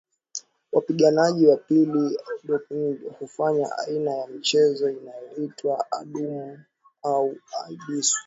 Wapiganaji wa pili Oodokilani hufanya aina ya mchezo inayoitwa adumu au aigus